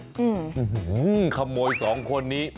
อื้อหือขโมยสองคนนี้